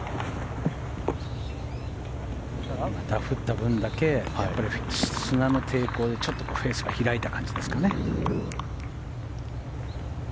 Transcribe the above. ダフった分だけ砂の抵抗でちょっとフェースが開いた感じですね。